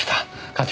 課長。